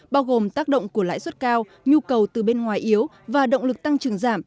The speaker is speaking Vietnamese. bao gồm tác động của lãi suất cao nhu cầu từ bên ngoài yếu và động lực tăng trưởng giảm